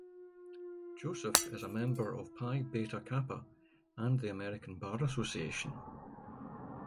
Joseph is a member of Phi Beta Kappa and the American Bar Association.